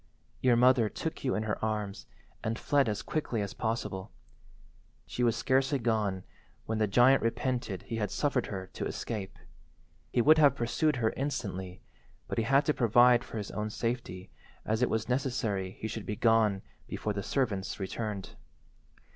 Your mother took you in her arms and fled as quickly as possible. She was scarcely gone when the giant repented he had suffered her to escape. He would have pursued her instantly, but he had to provide for his own safety, as it was necessary he should be gone before the servants returned.